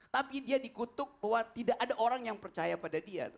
tapi dia dikutuk bahwa tidak ada orang yang percaya pada dia